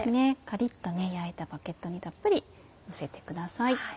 カリっと焼いたバゲットにたっぷりのせてください。